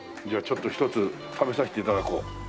じゃあちょっと１つ食べさせて頂こう。